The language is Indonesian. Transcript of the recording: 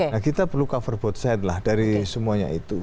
nah kita perlu cover botside lah dari semuanya itu